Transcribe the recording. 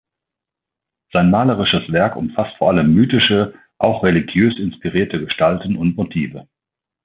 Sein malerisches Werk umfasst vor allem mythische, auch religiös inspirierte Gestalten und Motive.